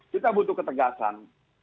kita butuh ketegasan